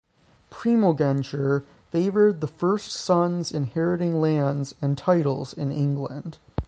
Primogeniture favored the first sons' inheriting lands and titles in England.